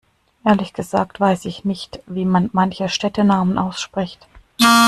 Ehrlich gesagt weiß ich nicht wie man manche Städtenamen ausspricht.